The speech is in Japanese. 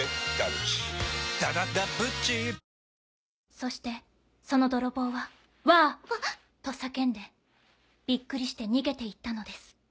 「そしてその泥棒は『わぁ！』と叫んでビックリして逃げて行ったのです」。